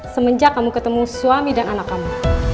semenjak kamu ketemu suami dan anak kamu